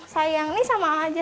sayang ini sama aja